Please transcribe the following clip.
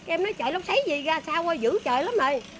em nói trời lót xáy gì ra sao ơi dữ trời lắm rồi